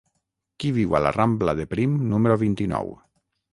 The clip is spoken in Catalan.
Qui viu a la rambla de Prim número vint-i-nou?